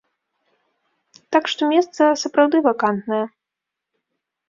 Так, што месца, сапраўды, вакантнае.